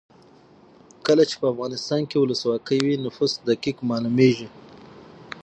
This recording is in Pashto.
کله چې افغانستان کې ولسواکي وي نفوس دقیق مالومیږي.